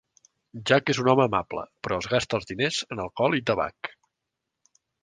Jack és un home amable, però es gasta els diners en alcohol i tabac.